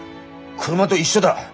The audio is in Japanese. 車と一緒だ。